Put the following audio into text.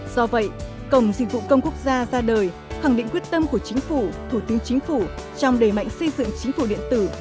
do vậy cổng dịch vụ công quốc gia ra đời khẳng định quyết tâm của chính phủ thủ tướng chính phủ trong đề mạnh xây dựng chính phủ điện tử